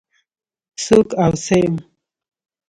څوک او څه يم؟